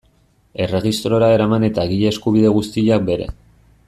Erregistrora eraman eta egile eskubide guztiak bere.